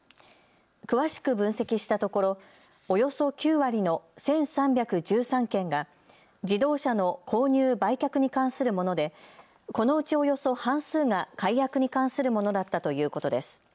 詳しく分析したところおよそ９割の１３１３件が自動車の購入・売却に関するもので、このうちおよそ半数が解約に関するものだったということです。